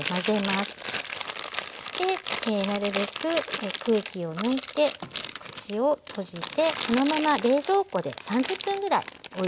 そしてなるべく空気を抜いて口を閉じてこのまま冷蔵庫で３０分ぐらいおいておきます。